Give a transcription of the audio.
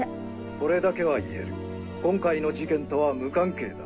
これだけは言える今回の事件とは無関係だ。